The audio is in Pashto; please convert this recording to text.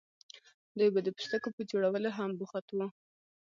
دوی به د پوستکو په جوړولو هم بوخت وو.